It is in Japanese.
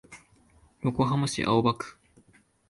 横浜市青葉区